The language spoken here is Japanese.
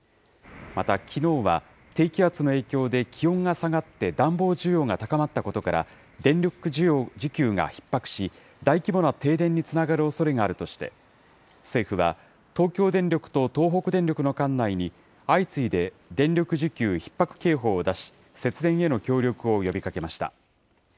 また、きのうは低気圧の影響で、気温が下がって暖房需要が高まったことから、電力需給がひっ迫し、大規模な停電につながるおそれがあるとして、政府は、東京電力と東北電力の管内に、相次いで電力需給ひっ迫警報を出し、節電への協力を呼びかけました。